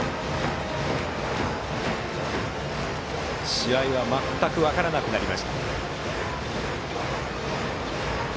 試合は全く分からなくなりました。